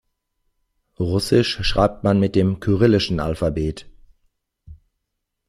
Russisch schreibt man mit dem kyrillischen Alphabet.